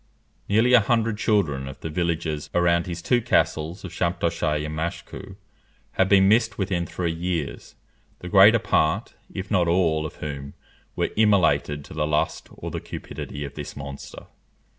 Nearly a hundred children of the villagers around his two castles of Champtocé and Machecoue, had been missed within three years, the greater part, if not all, of whom were immolated to the lust or the cupidity of this monster.